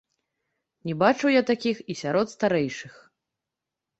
Не бачыў я такіх і сярод старэйшых.